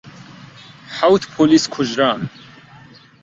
حەوت پۆلیس کوژران.